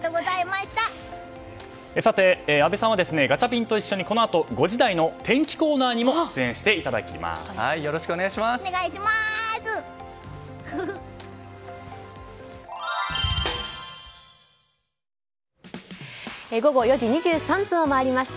阿部さんはガチャピンと一緒にこのあと５時台の天気コーナーにもよろしくお願いします。